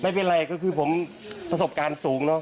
ไม่เป็นไรก็คือผมประสบการณ์สูงเนอ